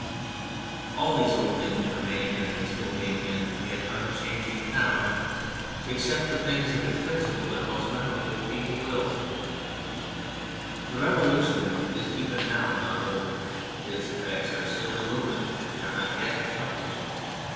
All these old things remain in this moving, and yet 84 On the Sites of the Revolution unchanging, town except the things of its principal and most memorable feat of will. The Revolution is even now not old. Its effects are still in movement ; they are not yet accomplished.